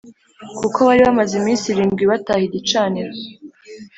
kuko bari bamaze iminsi irindwi bataha igicaniro